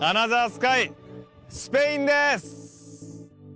スカイスペインです！